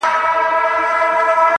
چي په شپه د پسرلي کي به باران وي -